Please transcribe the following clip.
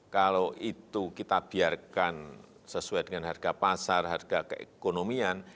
kalau itu kita biarkan sesuai dengan harga pasar harga keekonomian